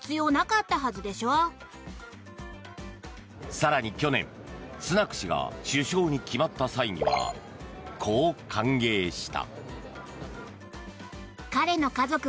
更に、去年スナク氏が首相に決まった際にはこう歓迎した。